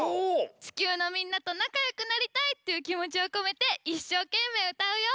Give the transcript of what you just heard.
ちきゅうのみんなとなかよくなりたいっていうきもちをこめていっしょうけんめいうたうよ！